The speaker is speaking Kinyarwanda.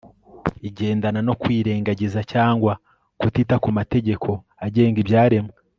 igendana no kwirengagiza cyangwa kutita ku mategeko agenga ibyaremwe …